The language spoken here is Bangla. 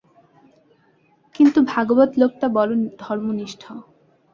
কিন্তু ভাগবত লোকটা বড় ধর্মনিষ্ঠ।